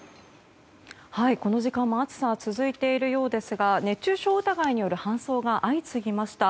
この時間も暑さが続いているようですが熱中症疑いによる搬送が相次ぎました。